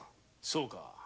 そうか。